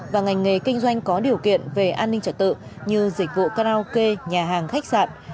và ngành nghề kinh doanh có điều kiện về an ninh trật tự như dịch vụ karaoke nhà hàng khách sạn